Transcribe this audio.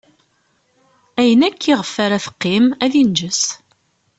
Ayen akk iɣef ara teqqim, ad inǧes.